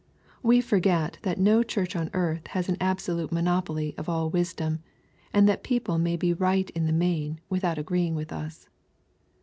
We forget that no Church on earth has an ab solute monopoly of all wisdom, and that people may be right in the main, without agreeing with us.